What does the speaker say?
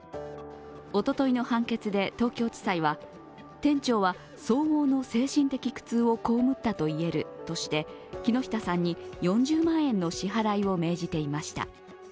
おとといの判決で東京地裁は店長は相応の精神的苦痛を被ったと言えるとして木下さんに４０万円の支払いを命じていました。